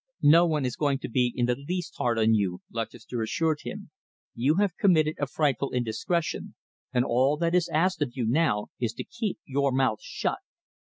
"No one is going to be in the least hard on you," Lutchester assured him. "You have committed a frightful indiscretion, and all that is asked of you now is to keep your mouth shut.